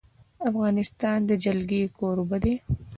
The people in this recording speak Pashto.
افغانستان د جلګه کوربه دی.